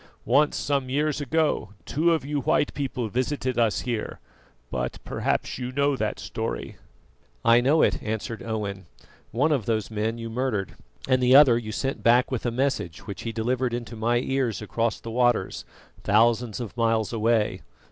Once, some years ago, two of you white people visited us here, but perhaps you know that story." "I know it," answered Owen; "one of those men you murdered, and the other you sent back with a message which he delivered into my ears across the waters, thousands of miles away."